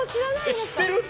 知ってる？